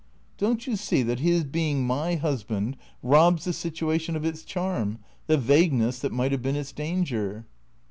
" Don't you see that his being my husband robs the situation of its charm, the vagueness that might have been its danger